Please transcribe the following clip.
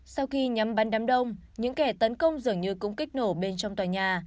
sau khi nhắm bắn đám đông những kẻ tấn công dường như cũng kích nổ bên trong tòa nhà